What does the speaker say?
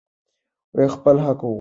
خپل حق وغواړئ.